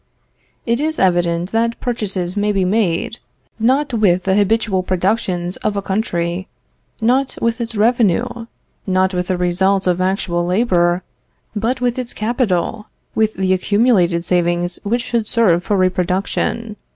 It is evident that purchases may be made, not with the habitual productions of a country, not with its revenue, not with the results of actual labor, but with its capital, with the accumulated savings which should serve for reproduction.